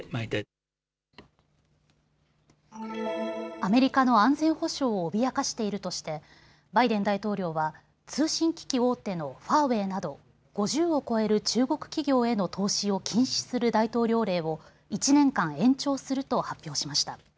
アメリカの安全保障を脅かしているとしてバイデン大統領は通信機器大手のファーウェイなど５０を超える中国企業への投資を禁止する大統領令を１年間延長すると発表しました。